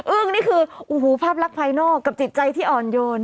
อึ้งนี่คือภาพรักภายนอกกับจิตใจที่อ่อนโยน